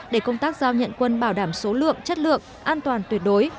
để công tác giao nhận quân bảo đảm số lượng chất lượng an toàn tuyệt đối